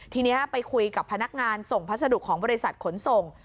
ทีนี้ไปคุยกับพนักงานส่งพัสดุของบริษัทขนส่ง